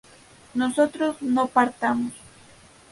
nosotros no partamos